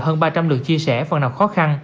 hơn ba trăm linh lượt chia sẻ phần nào khó khăn